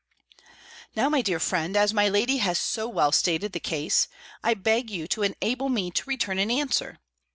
Now, my dear friend, as my lady has so well stated the case, I beg you to enable me to return an answer.